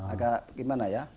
agak gimana ya